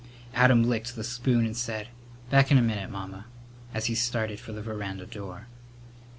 Adam licked the spoon and said, "Back in a minute, Mamma," as he started for the veranda door.